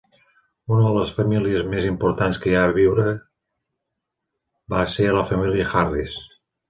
Una de les famílies més importants que hi va viure va ser la família Harris.